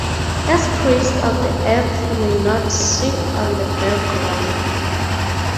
As priest of the Earth he may not sit on the bare ground.